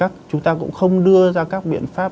chúng ta cũng không đưa ra các biện pháp